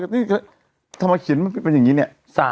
นี่ทำไมเขียนมันเป็นอย่างนี้เนี่ย